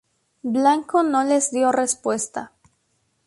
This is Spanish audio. Blanco no les dio respuesta.